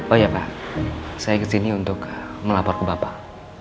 oh ya pak saya kesini untuk melapor ke bapak